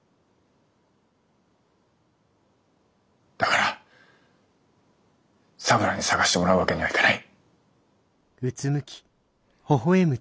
だから咲良に探してもらうわけにはいかない。